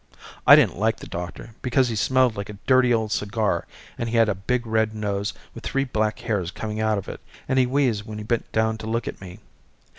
I didn't like the doctor because he smelled like a dirty old cigar and he had a big red nose with three black hairs coming out of it and he wheezed when he bent down to look at me.